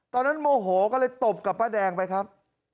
ตอนนั้นโมโหก็เลยตบกับป้าแดงไปครับ